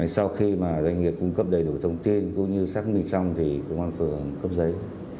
sau khi doanh nghiệp cung cấp đầy đủ thông tin cũng như xác minh xong thì công an phường cấp giấy